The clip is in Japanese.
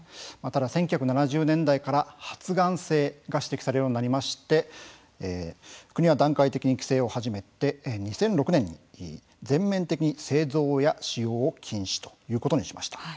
ただ１９７０年代から発がん性が指摘されるようになりまして国は段階的に規制を始めて２００６年に全面的に製造や使用を禁止ということにしました。